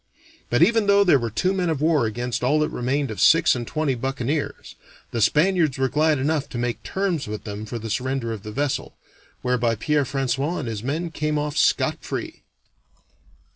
But even though there were two men of war against all that remained of six and twenty buccaneers, the Spaniards were glad enough to make terms with them for the surrender of the vessel, whereby Pierre François and his men came off scot free.